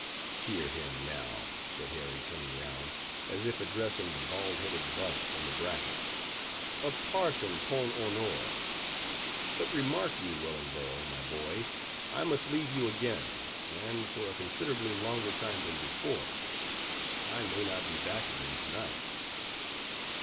"Hear him now," said Harry, turning round, as if addressing the bald headed bust on the bracket,—"a parson 'pon honor!—But remark you, Wellingborough, my boy, I must leave you again, and for a considerably longer time than before:—I may not be back again to night."